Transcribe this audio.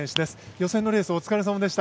予選のレースお疲れさまでした。